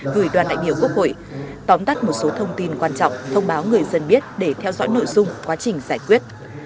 gửi đoàn đại biểu quốc hội tóm tắt một số thông tin quan trọng thông báo người dân biết để theo dõi nội dung quá trình giải quyết